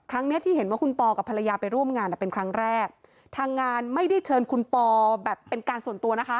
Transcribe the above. เนี้ยที่เห็นว่าคุณปอกับภรรยาไปร่วมงานอ่ะเป็นครั้งแรกทางงานไม่ได้เชิญคุณปอแบบเป็นการส่วนตัวนะคะ